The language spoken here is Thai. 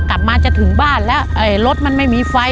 กลับมาจะถึงบ้านแล้วรถมันไม่มีไฟ